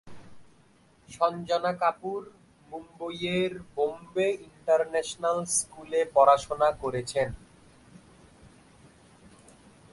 সঞ্জনা কাপুর মুম্বইয়ের বোম্বে ইন্টারন্যাশনাল স্কুলে পড়াশোনা করেছেন।